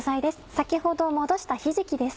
先ほどもどしたひじきです。